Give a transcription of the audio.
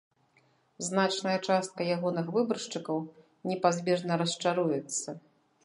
Значная частка ягоных выбаршчыкаў непазбежна расчаруецца.